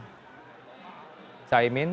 yang sementara kita lihat disisi sebelah kiri layar anda